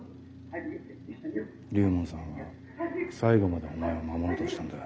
龍門さんは最後までお前を守ろうとしたんだ。